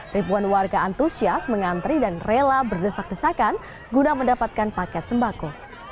ribuan warga antusias mengantri dan rela berdesak desakan guna mendapatkan paket sembako